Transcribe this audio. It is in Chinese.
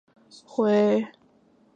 该区域亦称为额下回。